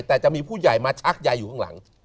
แต่จะมีผู้ใหญ่มาชักยายอยู่ข้างหลัง